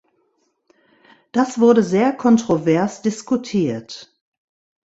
Das wurde sehr kontrovers diskutiert.